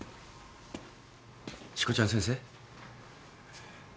しこちゃん先生。